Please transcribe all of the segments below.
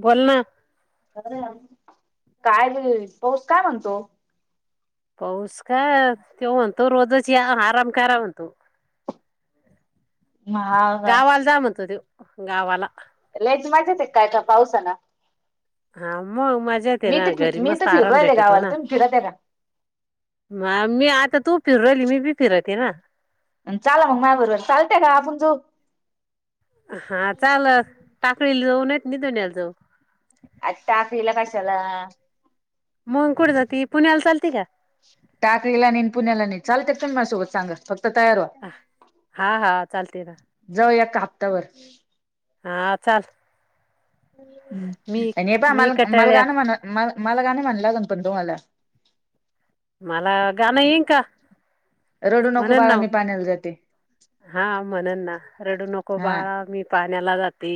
बोल ना हॅलो [unintelligible] काय [unintelligible] पाऊस काय म्हणतो? पाऊस का त्यो म्हणतो रोजच या आराम करा म्हणतो. हा का. गावाला जा म्हणतो त्यो गावाला. ते काय का पाऊसाला हा म मजेत आहे ना घरी मी मस्त तर फिरू आराम राहिले भेटतो गावाला ना. तुम्ही फिरत्या का? म मी आता तू फिरू राहिली मी बी फिरते ना. अन चाला मग माझ्या बरोबर चालतंय का आपण जाऊ. हा चाल टाकळी जाऊन येत मी दुन्याला जाऊ. आता टाकळीला कशाला? मंग कुठं जाती पुण्याला चालते का? टाकळीला नेन पुण्यालानायी चालतेल मला सोबत सांगा फक्त तयार व्हा हा हा चालते ना जाऊयाका हप्ताबर हा चाल मी पण हे बा मी मल मला कटाळ्यात गाणं म्ह मला गाणं म्हणला कोण पण तो मला मला गाणं येईन का रडू नको म्हणन बाळा ना वो मी पाण्याला जाते हा म्हणन ना. रडू नको हा बाळा मी पाण्याला जाते.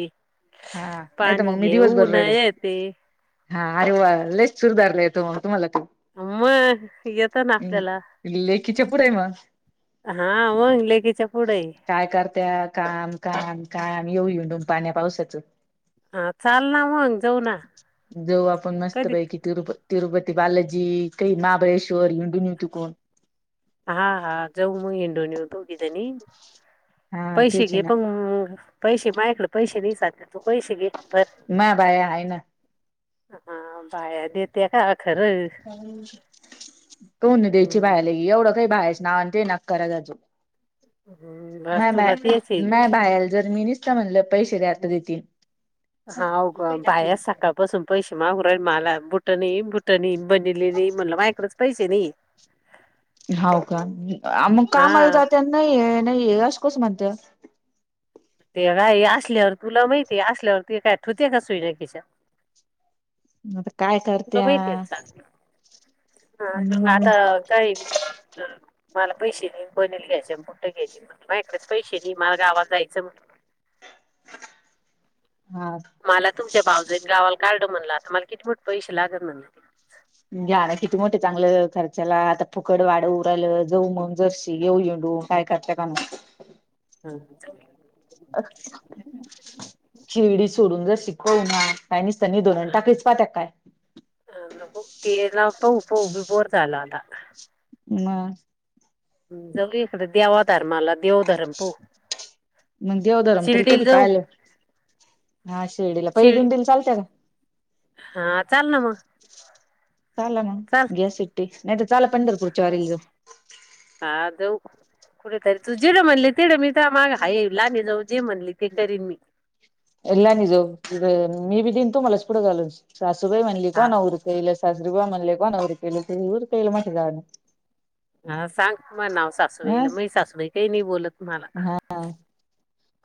हा नाही तर पाणी मग मी दिवसभर घेऊन रडेन. येते हा अरे वा लय सुर धरायला येतो तुम्हाला मग येत ना हं आपल्याला लेकीच्या पुढं आहे म. हा मग लेकीच्या पुढे काय करत्या काम काम हं आम्ही येऊ येऊ पाण्या पावसाचं. हा चाल ना मग जाऊ ना जाऊ आपण मस्त कधी पैकी तिरूप तिरुपती बालजी काही महाबळेश्वर हिंडून येऊ तीकुन. हा हा जाऊ म हिंडून येऊ दोघी जणी. हा पैसे तेच आहे घे ना पण पैसे मायाकडे पैसे नाही सा पैसे घे [unintelligible] माया बाया आहे ना हा बाया देते का खरं. कोणी द्यायचे हम्म, बायाला एवढं काही बाय नावन देणं करा हम्म, [unintelligible] बस नाही तुला तेच आहे नाही, नाही बायाला जर मी निस्त म्हणलं पैसे द्या तरी दिल. हा हो गं बाया सकाळपासून पैसे मागु राहीला मला बुटणी बुटणी बनेली नाही म्हणलं माझ्याकडच पैसे नाही. हो का मग कामाला हा जाते नाहीय नाहीय असं कसं म्हणतं. ते काय असल्यावर तुला माहितीय असल्यावर ते काय ठेवतय का स्वतःच्या खिशात. आता काय तुला करत्या माहीतीय [unintelligible] हा मग आता काय. मला पैसे दे बनेल घ्यायचं बुट घ्यायचे माझ्याकडंच पैसे नाही मला गावाला जायचं म्हणलं. [inaudible] हा मला तुमच्या भावज गावाला काढलं म्हणला मला कितीपत पैसे लागलं म्हणलं. त्याला आता फुकड वाड उरलं जाऊ मग जर्शी येऊ येंडू काय करत का? हम्म. शिरडी सोडून शिकव ना. कानीज त्यांनी दोन हंटा खचपा त्या काय? हो बी बोर झालं आता. ह. जऊ इकडे देवाातर्माला देवधर्म पू मग देवधरम तरी कधी पाहिलं हा शेर्डीला पहि शिर्डी दिंडीला चालत का? हा चाल ना मग. चाला ना चाल गॅस इट्टी नाहीत चाला पंढर कडच वारी. हा जाऊ कुठेतरी तू जेडं म्हणले तेढं मी तर मागा हा ये लाने जाऊ जे म्हणले ते करीन मी. हा [unintelligible] [unintelligible] हा सांग म नाव अ सासूबाईला म सासूबाई काही नाही बोलत मला.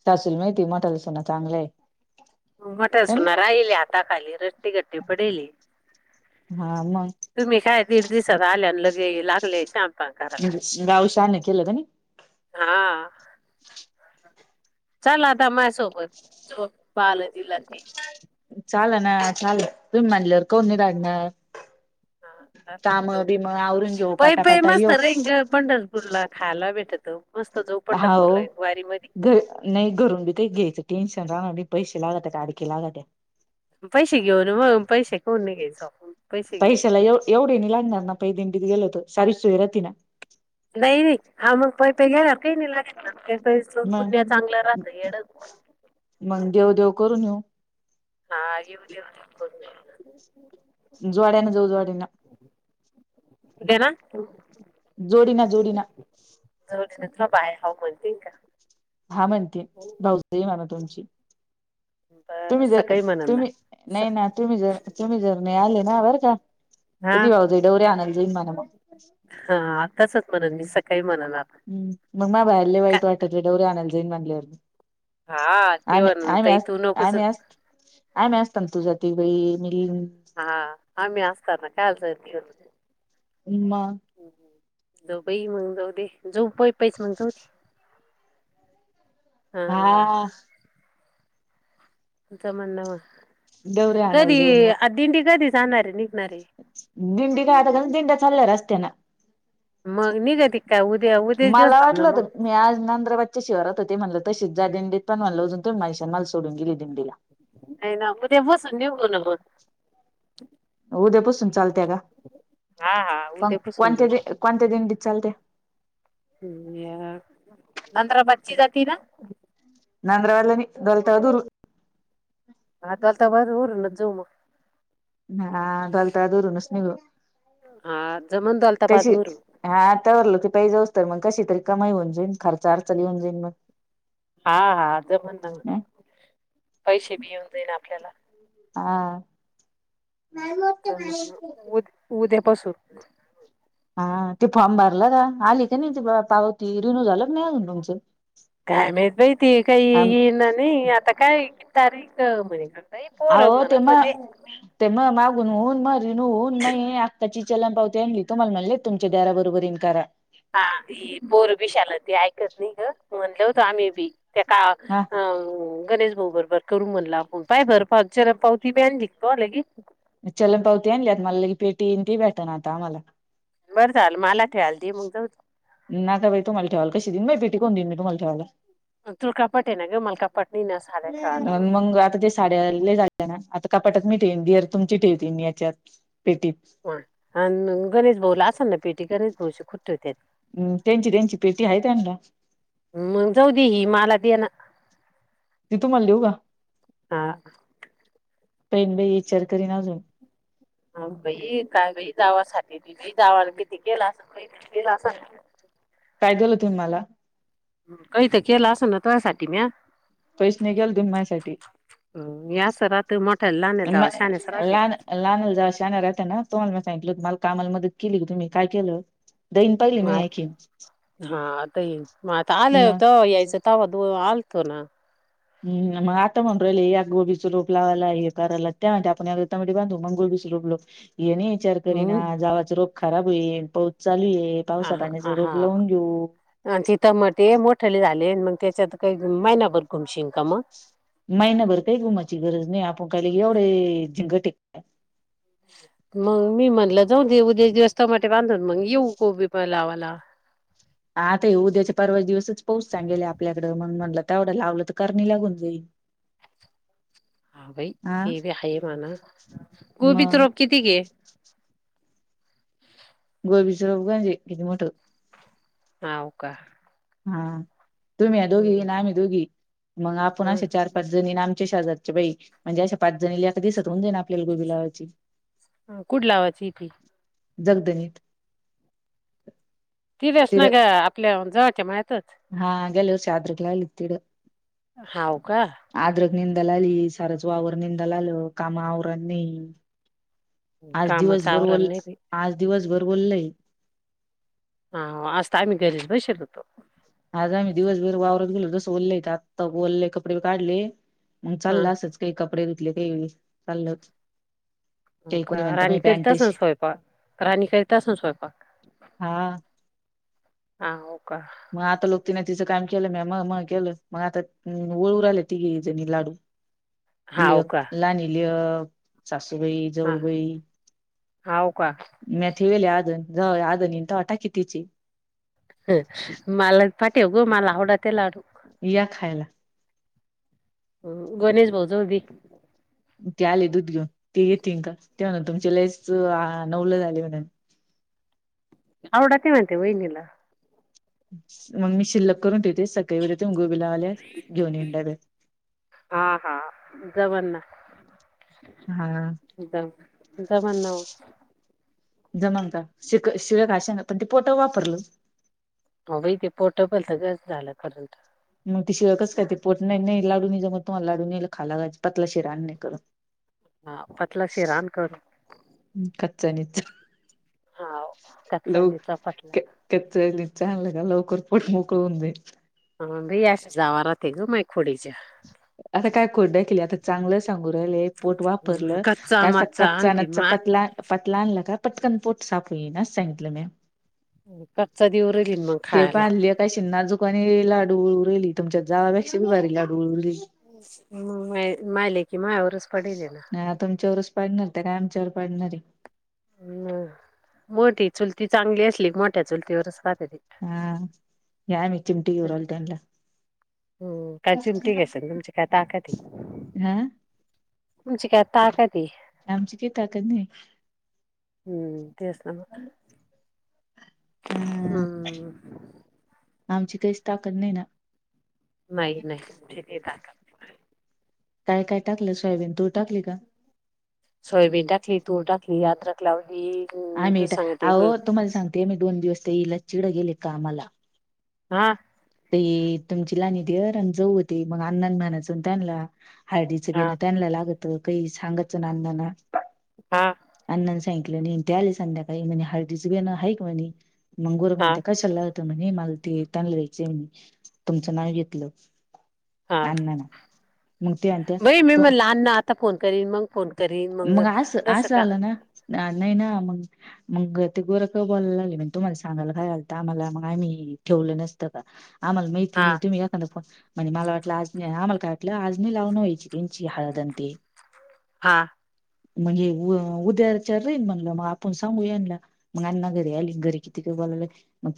सासूल माहिती मोठालसो ना चांगलंय. मोठचन राहिली आाता खाली रट्टी घट्टी पडेली. हा मग तुम्ही काय दीड दिसात आल्यान लगे लागले करायला गाव शान केल ग हा. चल आता माझ्यासोबत [unintelligible] बालाजीला चाल ना चालल तुम्ही म्हणलवर कोण नाही रागणार. हा, चाल, जाऊ. कामं बिमं आवरून घेऊ पै पै पटापटा मस्त येऊ. रेंग पंढरपूरला खायला भेटत मस्त जाऊ हा ओ, पंढरपूरला वारी मध्ये घ नाही घरून बी का घ्यायचं टेन्शन राहणार नाही. पैसे लागत आहे का अडखे लागत आहे. पैसे घेऊन मग पैसे कोण नाही घ्यायचं आपून. पैशाला ए-एवढे नि लागणार ना पायी दिंडीत गेल तर सारी सोय राहती ना. नाही नाही हा मग प पे घे काही ला. ैच पु्हा मग चांगलं राहतं एडच. मग देव देव करून येऊ. हा येऊ देऊ. जोड्याने जाऊ जोड्यान [inaudible] जोडीना जोडीना. थ बाय ह म्हणते का. हा म्हणते भाऊजई म्हण तुमची. बर तुम्ही जर सकाळी म्हणन ना तुम्ही नाही ना तुम्ही जर तुम्ही जर नाही आले ना बरं का. हा कधी वाहतोय डवरऱे आनंद जाईन मान मग. णून मी सकाळी. म्हणन आता हम् मग मा बाहेरले काय वाईट वाटत डवरे आणनाला जाईन बनलेवर हा ते म म्हणन ताई तू नकोच [unintelligible] हा आम्ही असत ना काय असय उमा. [unintelligible] हा. ज म्हणणावा डवरे आणायला कधी जाऊन मग आ दिंडी कधी जाणारे निघणारे. दिंडी काता दिंड्या चालल्या रस्त्याना मग निघती मला वाटलं होत मी आज नंद्रबाजच्या शिवारात होते म्हणलं तशी जा दिंडीत पण म्हणलं अजून तो मैशन माल सोडून गेली दिंडीला. [unintelligible] उद्यापसून चालते का हा हा पण उद्या बसून कोणत्या दि कोणत्या दिंडीत चालते हम् [inaudible] जातना [unintelligible] [inaudible] हा घलता दरूनच निघू हा जमन दौलताबाद कशी वरून हा तवरलो की पाहि जाऊ तर मग कशी तरी कमाई होऊन जाईन खर्च अरचाली होऊन जाईन मग हा हा ज म्हण ना पैसे बि येऊन देईना आपल्याला हा तर उद उद्यापासून हा ते फॉर्म भरलं का आली का नाही पावती रिनू झालं क नाही अजून तुमचं काय मात बाहिती काही ये ना नाही आता काय तारीख म्हणे का अ ते मग ते मग मागून होऊन मग रिन होऊन मग आत्ताची चलं पावते आण तुमलाणले तुमच्या दराबरोबर इन्कारा हा बोर बिशालती ऐकत नाही ग म्हणल होतं आम्ही बी त्या हा गणेश हो बरो बर करू म्हणला आपण पाय भर पावच्या पावती ब्यान निघतो लगे चलन पावती आणलीत मला लगे पेटीईन ती भेट आता आ मला बरं झालं मला ठेवायला दे मग जाऊ ना का बाई तू मला ठेवाल कशी दिन कोण देऊ तुमाला ठेवायला तुल कपटे ना ग मला कपट मग आता ते साड्या लय झाले ना आता कपाटक मी ठेवन देर तुमची ठेवते मी याच्यात पेटीत आण गणेश भाऊला असाल ना पेटी गणेश भाऊ खु हम्म त्यांची त्यांची पेटी आहे त्यांना मग जाऊ दे ही मला दे ना ती तू म्हण लऊग हा. पण बाई विचार करीन अजून ह कायई जावासाठी त जावा किती केलं असलही भेटलेलं असल काय दिलं होतु मला काही तर केलं असं ना तु्यासाठी म्या पैस निघेल दुनमायसाठी या सरा तुम्हा म ला लानाला जाव शना राहता ना तोम्हाला म सांगितल मल कामाला मदत केली ग तुम्ही काय केलं दैन पाहिली म मी ऐकीन हा आता येई मग आता आलं होतं यायचं तवत आलतो ना हम् मग आता म्हणून राहिल या गोबीचा लोप लावायला हे करायला त्या आपणमट बांधू मग गोी विचार मग करीवा रोग खराब होईल चालू आहे अ पावसा ह पाण्याचं हा रोप लावून घेऊ चितमट मोठली ला मग त्याच्यात काही मयनाभर घुमशिंका म महिनाभर काही रुमाची गरज नाही आपण काय एवढे झंग टेकत मग मी म्हणलं जाऊ देऊद्या दिवस त मट बांधून मग येऊ कोबी पण लावाला ला आता उद्याच्या परवा दिवसच पाऊस चांगेला आपल्याकडें म्हणून म्हणलं तेवढं लावलं तर करणी लागून जाईल [inaudible] ह भाई हा तेबी आहे मणा गोबी मग तर रोप किती गे गोबीचप गांजे किती मोठं हव का हा तुम्ही या दोघी ह नाम दोघी मग आपण असे चार पाच जणी नाम पंचस हजारचे बाई म्हणजे अशा पाच जणी ल एका दिसत होऊ जाईना आपल्याला गोबी लावायची कुड लावाचीतीी जगदणीत तिरस तिड ना ग आपल्या जवळच्या माहि हा गेल दिवसद्रलाल इतड हव का निंदा ला आली सारच वावर निंदा ला आलं कामा आवर नाही आज कामाचं दिवसभर ब आवरण नाही बाई आज दिवसभर वल हाय हा आजता आम्ही घरीच बसल होतो ले आता ओलले कपडे काढले मग हा चालला असच काही कपडे तेल चाललंच, हो का राणी करता असून स्वयंपाक राणी करीता असून स्वयंपाक हा. हाव का मग आता लोक तिने तिचं काम केलं म मग मग केलं मग आता वओळू राहिले तिघेणी लाडू. लि हाव का लाणी लि.. सासूबाई हा जाऊबाई हाव का मेथे वेल्या आजन [inaudible] ह मला पाटेग मला आवडा ते लाडू या खायला ह गणेश भाऊजवळ द्या ते आले दूध घेऊन ते येेते का तेव्हाणा तुमच्या लच नवलं झाले म्हणा [inaudible] आडतेे मते वाहिनीला मग मी शिल्लक करून ठेते सकाळी व तुंगू बिलावाल्या घेऊन येनड हा हा. जमन ना हा [inaudible] [inaudible] हो बा तेे पोर्टेबलच झालं करंट मग ती शिळ कस काय ते पोट नाही नाही लाडून म तुम्हाला लाडूनल खालााय पतला शिरा आण नाही करत. हा पतला [inaudible] [inaudible] चांगलं हा कच्चा निचा पतला का लवकर पोट मोकळवून देई ह भे अस जाव तेच म खोडी आता काय कोड केली आता चांगलंच [inaudible] कच्चा मच्चा आणती माय पटकन पोट साप होईन अस सांगितल म्या कच्चा दि उरली मग खायला पणी लाडू उरहिली तुमच्या जापेक्षा बी भारी लाडूळ उरली [inaudible] नाही तुमच्यावरच पाडणार त्या का आमच्यावर पाडणार आहे, ना. मोठी चुलती चांगली असली मोठ्या चुलतीवर हा नाहीय मी चिमट घेऊ राहिले त्यांला हो काय चिमटी घ्यास ना तुमची काय ताकद हा तुमची काय ताकती आमची काही ताकद नाही हम्म तेच ना म हा हम्म आमची काहीच ताकद नाही ना नाही नाही म्हे ते दा कर काय काय टाकलं सोयाबीन तू टाकली का सोयाबीन टाकली तूर टाकली याद राखला. आ मिीट अह तुम्हाला सांगते मी दोन दिवस ते येईल चिड गेले का आम्हाला. हा. ते तुमची लाणी देर आणि जाऊ होती मग अण्ण म्हणाचून त्यांना हारदीचं हा बेणं त्यांला लागत काही सांगायचं ना अण्णांना हा अण्ण थँक त्याली संध्याकाळी म हळस ना ह एकक म्हणे मंगूर हा म्हणते कशाल. म्हणे मला ते तलयचेी तुमचं नाव घेतलं. हा न ना मुक्ती अत बाई मी त. म्हणलं अण्णा आता फोन करीन मग फोन करीन मग असं रस असं का. आलं ना ना- नाही ना मग मग ते गोरक बोलायला लागले तुम्हाला सांगायला खयल तर आम्हाला मग आम्ही ठेव. का आम्हाला माहिती हा नाही तुम्ही एखा म्हणज मला वाटलं आज नाही आम्हाला काय वाटलं आज नाही लावून व्हायची त्यांची हळदन ते हा. म्हणजे उद्याचार राहीन म्हणलं मग आपण सांगू याला मग अण्णा घरी आली घरी किती कर. मग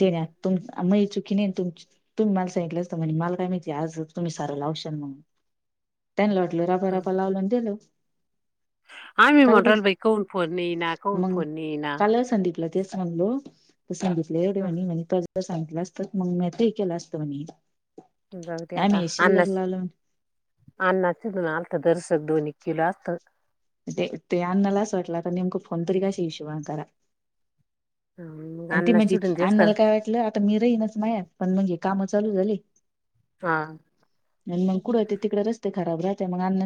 म चुकी नाही तुम्ही मला सांगितलं म्ह माल कायती आज. तुम्ही सार लावशल म्हणून त्यांनी वाटल रबा हं. रबा लावलून दिल. आम्ही म्हटलं भाई कहून फोन येइना कहून फोन येइना ते सनलो त संगीतले म म सांगितलं असतं मग मी ते केलं असतं म्हणे. जाऊते आता आम्ही अ्ना शिल्लक लावलं अन्नाचून आलत दरस दोन किला असत. ते ते अन्नाला असं वाटलं तर नेमकं फोन तरी कशी विशवा करा. मग आणि त अण्णा म्हणजे चिडून दिलत अण्णाला काय वाटलं आता मी रहीनस माया पण म्हणजे काम. चालू झाली. हा. आणि मग कुठं ते तिकडे रस्ते खराब राहते मग.